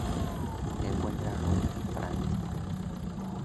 Se encuentra en Royan, Francia.